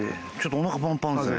おなかパンパンですね。